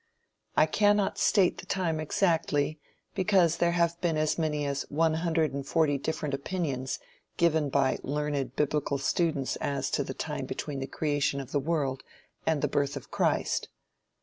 I cannot state the time exactly, because there have been as many as one hundred and forty different opinions given by learned biblical students as to the time between the creation of the world and the birth of Christ.